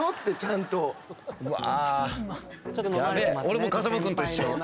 ヤベえ俺も風間君と一緒。